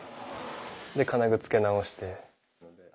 で金具付け直して。